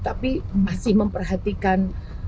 tapi masih memperhatikan